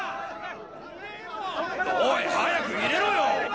おい早く入れろよ！